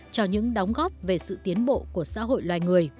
cho những đóng góp về sự tiến bộ